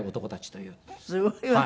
すごいわね。